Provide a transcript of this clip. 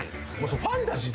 ファンタジー